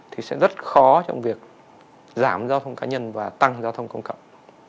thì sẽ rất khó trong việc giảm giao thông cá nhân và tăng giao thông công cộng